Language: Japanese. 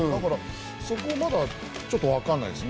そこまだちょっとわかんない。